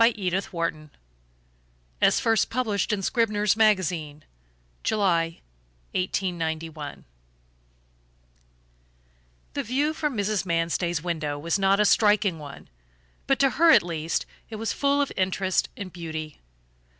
MANSTEY'S VIEW As first published in Scribner's Magazine, July, 1891 The view from Mrs. Manstey's window was not a striking one, but to her at least it was full of interest and beauty.